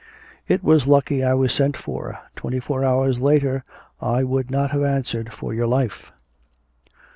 'It was lucky I was sent for. Twenty four hours later I would not have answered for your life.'